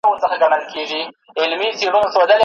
ته پاچا ځان مي وزیر جوړ کړ ته نه وې